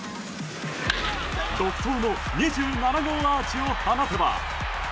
独走の２７号アーチを放てば。